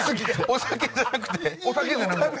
お酒じゃなくて。